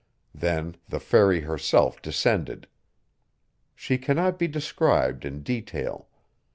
Then the fairy herself descended. She cannot be described in detail.